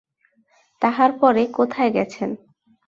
তাহার পরে কোথায় গেছেন?